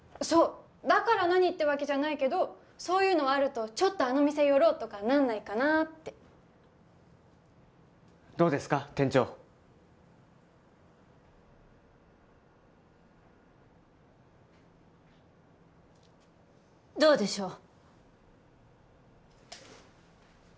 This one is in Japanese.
そうだから何ってわけじゃないけどそういうのあるとちょっとあの店寄ろうとかなんないかなってどうですか店長どうでしょう？